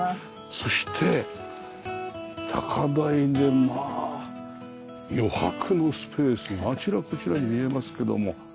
そして高台でまあ余白のスペースがあちらこちらに見えますけども。